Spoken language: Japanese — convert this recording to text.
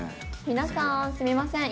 「皆さんすみません」